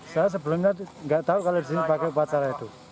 saya sebelumnya nggak tahu kalau disini pakai upacara itu